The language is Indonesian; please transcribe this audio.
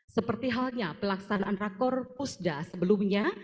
seperti halnya pelaksanaan rekorpusda sebelumnya